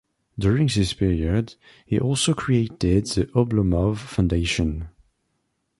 During this period, he also created the Oblomov Foundation.